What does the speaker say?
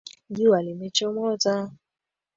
Jua limechomoza.